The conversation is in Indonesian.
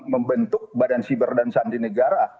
membentuk badan siber dan sandi negara